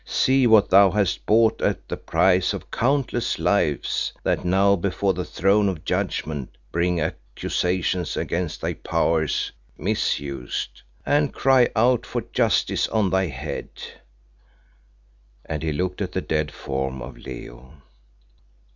See what thou hast bought at the price of countless lives that now before the throne of Judgment bring accusations against thy powers misused, and cry out for justice on thy head," and he looked at the dead form of Leo.